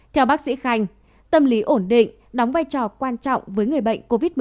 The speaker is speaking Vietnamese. theo bác sĩ khanh tâm lý ổn định đóng vai trò quan trọng với người bệnh covid một mươi chín